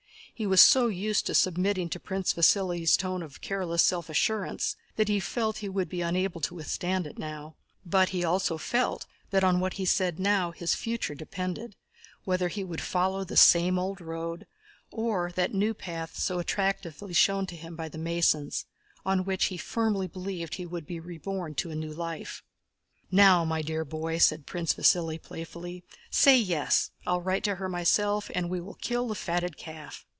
He was so used to submitting to Prince Vasíli's tone of careless self assurance that he felt he would be unable to withstand it now, but he also felt that on what he said now his future depended—whether he would follow the same old road, or that new path so attractively shown him by the Masons, on which he firmly believed he would be reborn to a new life. "Now, dear boy," said Prince Vasíli playfully, "say 'yes,' and I'll write to her myself, and we will kill the fatted calf."